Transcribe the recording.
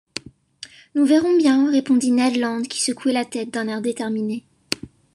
Nous verrons bien, répondit Ned Land, qui secouait la tête d’un air déterminé.